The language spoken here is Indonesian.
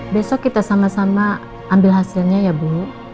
besok kita sama sama ambil hasilnya ya bu